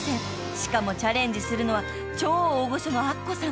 しかもチャレンジするのは超大御所のアッコさん］